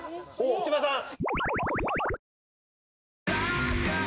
千葉さん。